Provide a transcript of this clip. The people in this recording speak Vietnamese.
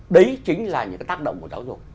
đấy chính là những tác động của giáo dục